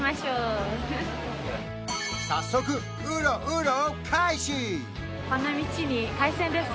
早速ウロウロ開始！